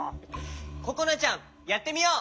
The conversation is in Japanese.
ここなちゃんやってみよう！